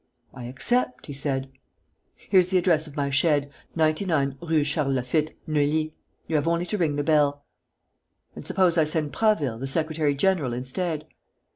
"I accept," he said. "Here's the address of my shed: 99, Rue Charles Lafitte, Neuilly. You have only to ring the bell." "And suppose I send Prasville, the secretary general, instead?"